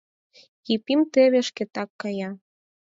Епим теве шкетак кая.